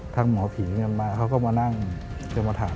ทางหมอผีเขาก็มานั่งจังหมาฐาน